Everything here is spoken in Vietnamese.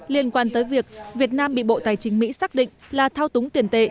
liên quan tới việc việt nam bị bộ tài chính mỹ xác định là thao túng tiền tệ